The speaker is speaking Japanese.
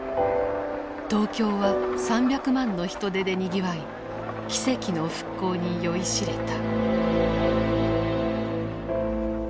東京は３００万の人出でにぎわい奇跡の復興に酔いしれた。